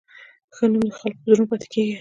ښه نوم د خلکو په زړونو پاتې کېږي.